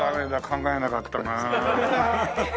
考えなかったな。